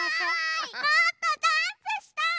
もっとジャンプしたい！